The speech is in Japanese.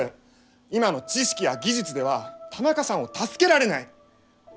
今の知識や技術では田中さんを助けられない。